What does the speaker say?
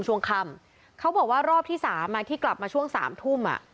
ช่วงค่ำเขาบอกว่ารอบที่สามที่กลับมาช่วงสามทุ่มอ่ะ